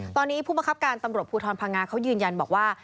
ตอนนี้ผู้บังคับการตำรวจภูทรพังงาเขายืนยันบอกว่า